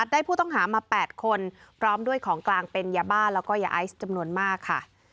ได้ผู้ต้องหามา๘คนพร้อมด้วยของกลางเป็นยาบ้าแล้วก็ยาไอซ์จำนวนมากค่ะ